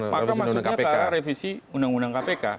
maksudnya karena revisi undang undang kpk